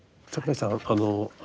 櫻井さん